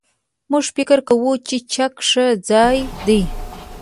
موږ فکر کوو چې چک ښه ځای دی.